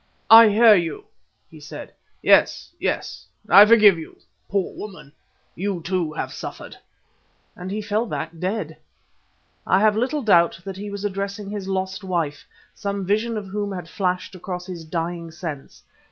"I hear you," he said. "Yes, yes, I forgive you. Poor woman! you too have suffered," and he fell back dead. I have little doubt that he was addressing his lost wife, some vision of whom had flashed across his dying sense.